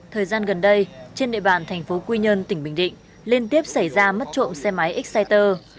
thời gian gần đây trên địa bàn thành phố quy nhơn tỉnh bình định liên tiếp xảy ra mất trộm xe máy exciter